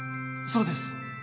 そうです。